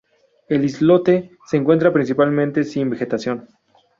El islote se encuentra principalmente sin vegetación.